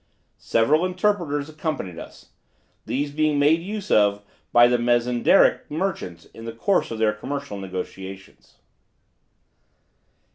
Several interpreters accompanied us; these being made use of by the Mezendaric merchants in the course of their commercial negotiations.